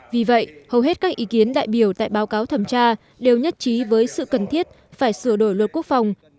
vì vậy hầu hết các ý kiến đại biểu tại báo cáo thẩm tra đều nhất trí với sự cần thiết phải sửa đổi luật quốc phòng